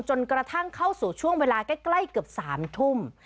จนกระทั่งเข้าสู่ช่วงเวลาใกล้เกือบ๓ทุ่ม